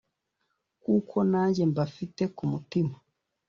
kuko nanjye mbafite ku mutima